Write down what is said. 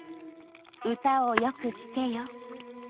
「歌をよく聴けよ」。